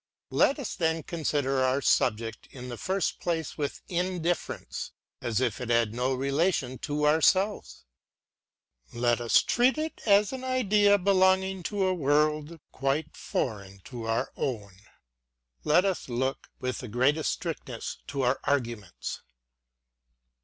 Let us then consider our subject in the first place with in difference, as if it had no relation to ourselves :— let us treat £ u i ruBi iv. it as an idea belonging to a world quite foreign to our own. Lei us look with the greater strictness bo our arguments.